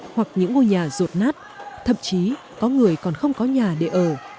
hoặc những ngôi nhà rột nát thậm chí có người còn không có nhà để ở